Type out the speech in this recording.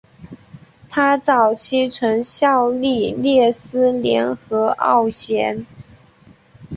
他早期曾效力列斯联和奥咸。